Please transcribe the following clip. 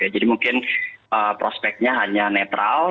jadi mungkin prospeknya hanya netral